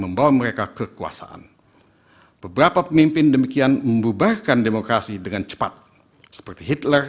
membawa mereka kekuasaan beberapa pemimpin demikian membubarkan demokrasi dengan cepat seperti hitler